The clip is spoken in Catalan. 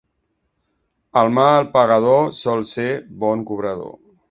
El mal pagador sol ser bon cobrador.